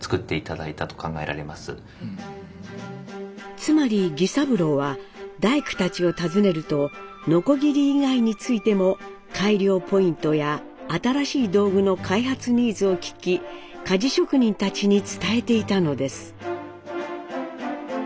つまり儀三郎は大工たちを訪ねるとノコギリ以外についても改良ポイントや新しい道具の開発ニーズを聞き鍛冶職人たちに伝えていたのです。